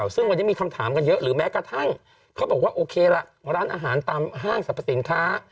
ซึ่งวันนี้มีคำถามกันเยอะหรือแม้กระทั่งเขาบอกว่าโอเคละร้านอาหารตามห้างสรรพสินค้า